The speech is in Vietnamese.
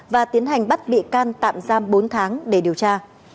và tiến hành bắt bị can tạm giam bốn tháng để điều tra